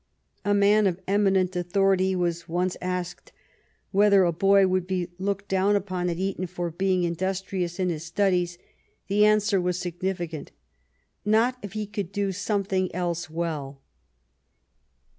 A man of eminent authority was once asked whether a boy would be looked down upon at Eton for being industrious in his studies. The answer was significant :" Not if he could do some thing else well."